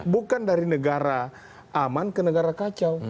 bukan dari negara aman ke negara kacau